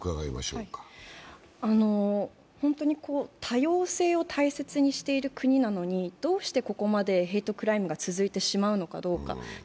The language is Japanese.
本当に多様性を大切にしている国なのにどうしてここまでヘイトクライムが続いてしまうのかどうか。